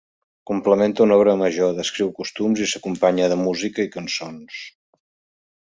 Complementa una obra major, descriu costums, i s'acompanya de música i cançons.